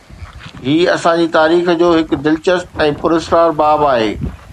هي اسان جي تاريخ جو هڪ دلچسپ ۽ پراسرار باب آهي.